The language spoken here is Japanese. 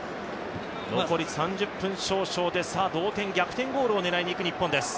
残り３０分少々でさあ、同点、逆転ゴールを狙いにいく日本です。